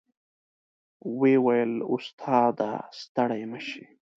وې ویل استاد ه ستړی مه شې.